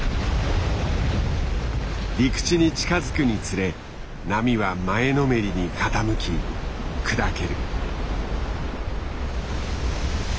陸地に近づくにつれ波は前のめりに傾き砕ける。